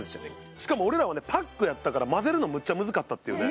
しかも俺らはねパックやったから混ぜるのめっちゃむずかったっていうね。